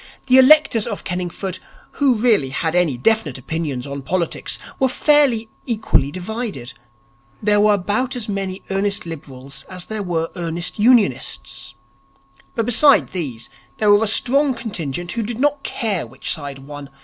The electors of Kenningford who really had any definite opinions on politics were fairly equally divided. There were about as many earnest Liberals as there were earnest Unionists. But besides these there was a strong contingent who did not care which side won.